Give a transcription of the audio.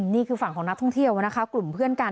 นี่คือฝั่งของนักท่องเที่ยวนะคะกลุ่มเพื่อนกัน